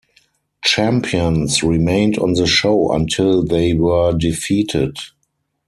Champions remained on the show until they were defeated.